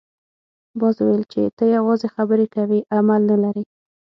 باز وویل چې ته یوازې خبرې کوې عمل نه لرې.